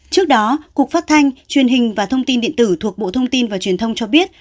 trước đó cục phát thanh truyền hình và thông tin điện tử thuộc bộ thông tin và truyền thông cho biết